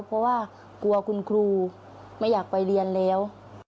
เพราะว่ากลัวคุณครูไม่อยากไปเรียนแล้ว